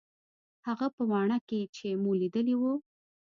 هغه په واڼه کښې چې مو ليدلي وو.